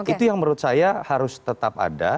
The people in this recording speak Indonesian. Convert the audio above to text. itu yang menurut saya harus tetap ada